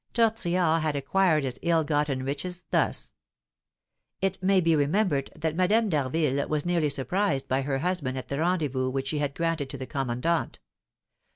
Tortillard had acquired his ill gotten riches thus: It may be remembered that Madame d'Harville was nearly surprised by her husband at the rendezvous which she had granted to the commandant.